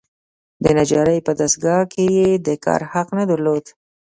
د نجارۍ په دستګاه کې یې د کار حق نه درلود.